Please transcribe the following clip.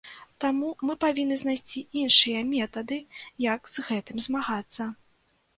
Таму мы павінны знайсці іншыя метады, як з гэтым змагацца.